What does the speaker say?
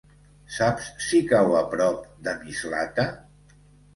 Saps si cau a prop de Mislata?